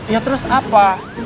ya terus apa